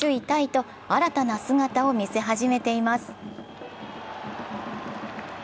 タイと新たな姿を見せ始めています。